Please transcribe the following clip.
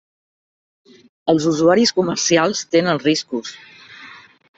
Els usuaris comercials tenen riscos.